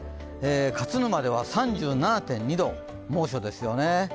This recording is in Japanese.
勝沼では３７．２度、猛暑ですよね。